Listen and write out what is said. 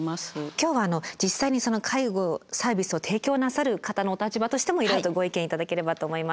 今日は実際に介護サービスを提供なさる方のお立場としてもいろいろとご意見頂ければと思います。